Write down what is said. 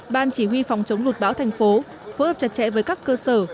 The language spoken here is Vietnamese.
ban chỉ huy phòng chống lụt bão thành phố phối hợp chặt chẽ với các cơ sở